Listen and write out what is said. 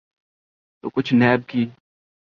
تو کچھ نیب کی۔